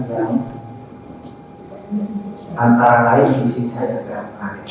yang antara lain isinya yang sangat menarik